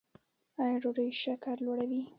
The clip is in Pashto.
ایا ډوډۍ شکر لوړوي؟